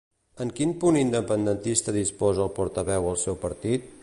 En quin punt independentista disposa el portaveu el seu partit?